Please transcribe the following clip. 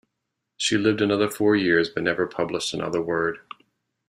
She lived another four years but never published another word.